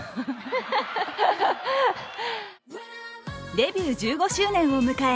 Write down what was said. デビュー１５周年を迎え